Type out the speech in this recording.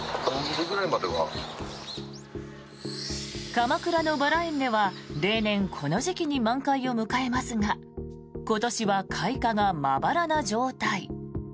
鎌倉のバラ園では例年この時期に満開を迎えますが今年は開花がまばらな状態。